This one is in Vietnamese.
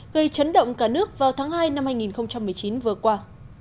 gây chấn động cả nước vào tháng hai năm hai nghìn một mươi chín vừa qua